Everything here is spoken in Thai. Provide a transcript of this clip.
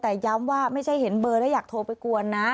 แต่ย้ำว่าไม่ใช่เห็นเบอร์แล้วอยากโทรไปกวนนะ